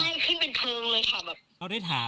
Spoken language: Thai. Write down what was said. มันไม่พูดอะไรเลยค่ะ